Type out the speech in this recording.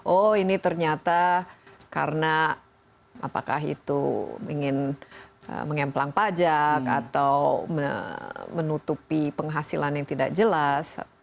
oh ini ternyata karena apakah itu ingin mengemplang pajak atau menutupi penghasilan yang tidak jelas